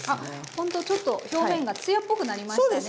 ほんとちょっと表面がつやっぽくなりましたね。